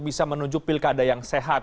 bisa menuju pilkada yang sehat